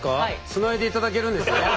つないでいただけるんですね？